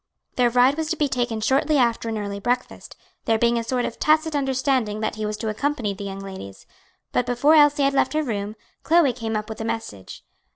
Their ride was to be taken shortly after an early breakfast, there being a sort of tacit understanding that he was to accompany the young ladies; but before Elsie had left her room, Chloe came up with a message.